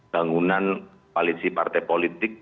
bangunan koalisi partai politik